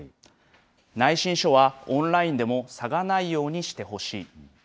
内申書はオンラインでも差がないようにしてほしい。